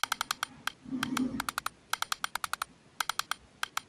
Reflexiones al pie del Kremlin"", del mismo autor.